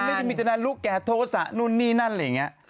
ไม่ได้มีแต่นานลูกแก่โทษะนู่นนี่นั่นอะไรอย่างนี้